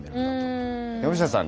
山下さん